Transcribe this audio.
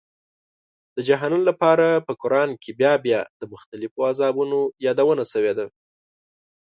د جهنم لپاره په قرآن کې بیا بیا د مختلفو عذابونو یادونه شوې ده.